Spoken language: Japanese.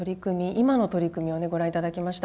今の取り組みをねご覧頂きました。